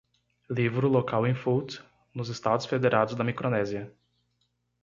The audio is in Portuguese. Livro local em Fults nos Estados Federados da Micronésia